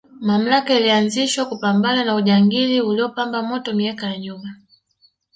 mamlaka ilianzishwa kupambana na ujangili uliopamba moto miaka ya nyuma